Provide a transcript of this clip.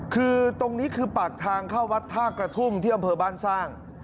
คือตรงนี้คือปากทางเข้าวัดท่ากระทุ่มที่อำเภอบ้านสร้าง